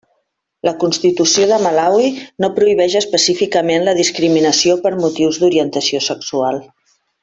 La Constitució de Malawi no prohibeix específicament la discriminació per motius d'orientació sexual.